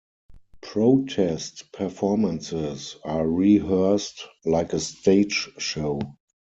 Protest performances are rehearsed like a stage show.